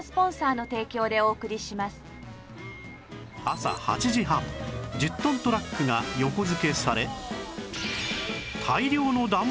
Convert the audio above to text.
朝８時半１０トントラックが横付けされ